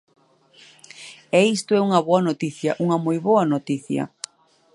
E isto é unha boa noticia, unha moi boa noticia.